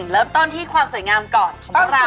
แล้วตอนที่ความสวยงามก่อนของเรา